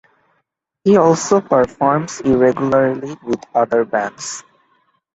He also performs irregularly with other bands.